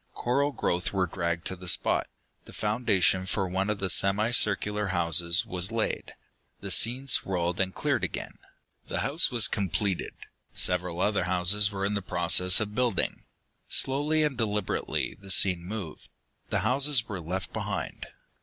Coral growth were dragged to the spot. The foundation for one of the semi circular houses was laid. The scene swirled and cleared again. The house was completed. Several other houses were in process of building. Slowly and deliberately, the scene moved. The houses were left behind.